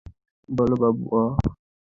বলো, বাবুয়া।